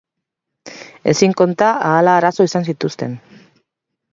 Ezin konta ahala arazo izan zituzten.